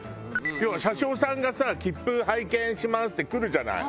要は車掌さんがさ切符拝見しますって来るじゃない？